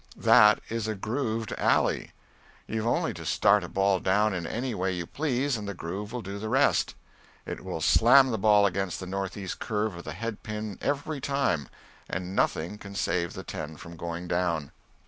That is a grooved alley; you've only to start a ball down it any way you please and the groove will do the rest; it will slam the ball against the northeast curve of the head pin every time, and nothing can save the ten from going down."